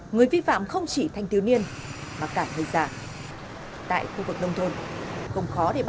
người vi phạm không chỉ thanh tiếu niên mà cả người già